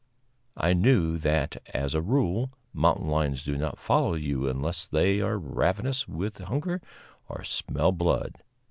I knew that, as a rule, mountain lions do not follow you unless they are ravenous with hunger or smell blood.